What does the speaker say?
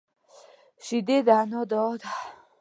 شیدې د انا دعا ده